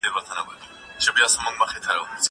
کېدای سي مکتب بند وي!